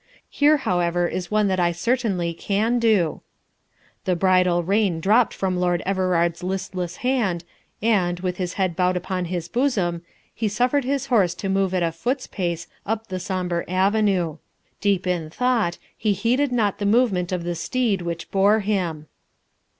Here, however, is one that I certainly can do: "The bridle rein dropped from Lord Everard's listless hand, and, with his head bowed upon his bosom, he suffered his horse to move at a foot's pace up the sombre avenue. Deep in thought, he heeded not the movement of the steed which bore him."